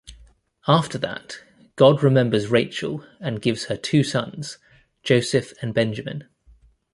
After that, God remembers Rachel and gives her two sons, Joseph and Benjamin.